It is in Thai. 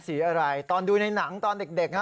สีอะไรตอนดูในหนังตอนเด็กฮะ